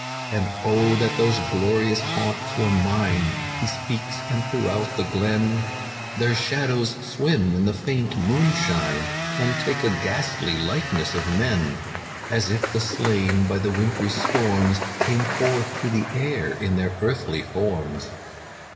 "'And oh that those glorious haunts were mine!' He speaks, and throughout the glen Their shadows swim in the faint moonshine, And take a ghastly likeness of men, As if the slain by the wintry storms Came forth to the air in their earthly forms.